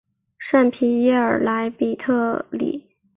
圣皮耶尔莱比特里。